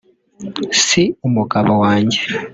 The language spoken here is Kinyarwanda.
“Si umugabo wanjye